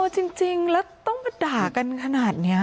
จริงแล้วต้องมาด่ากันขนาดนี้